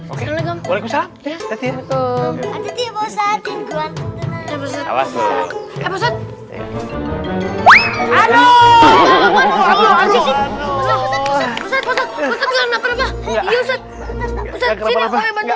oke boleh bisa ya